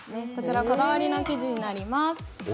こちら、こだわりの生地になります